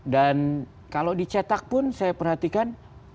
dan kalau dicetak pun saya perhatikan